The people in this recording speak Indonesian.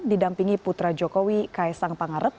didampingi putra jokowi kaisang pangarep